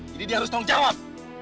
jadi dia harus tanggung jawab